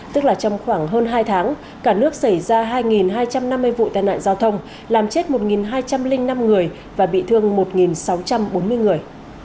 tức là trong khoảng hơn hai tháng cả nước xảy ra hai hai trăm năm mươi vụ tai nạn giao thông làm chết một hai trăm linh năm người và bị thương một sáu trăm bốn mươi người